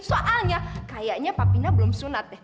soalnya kayaknya pak pina belum sunat deh